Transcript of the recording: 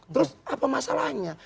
terus apa masalahnya